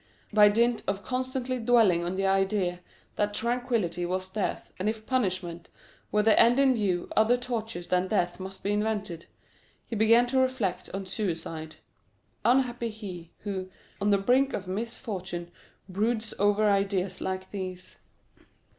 By dint of constantly dwelling on the idea that tranquillity was death, and if punishment were the end in view other tortures than death must be invented, he began to reflect on suicide. Unhappy he, who, on the brink of misfortune, broods over ideas like these!